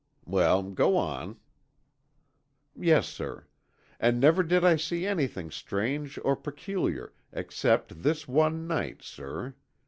"Well, go on." "Yes, sir. And never did I see anything strange or peculiar, except this one night, sir.